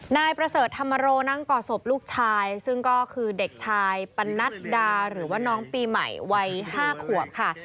นายประเสริฐธรรมโรนั่งก่อศพลูกชายซึ่งก็คือเด็กชายปนัดดาหรือว่าน้องปีใหม่วัย๕ขวบค่ะ